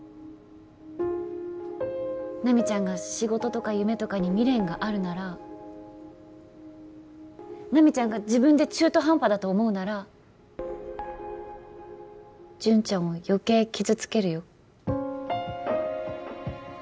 奈未ちゃんが仕事とか夢とかに未練があるなら奈未ちゃんが自分で中途半端だと思うなら潤ちゃんを余計傷つけるよ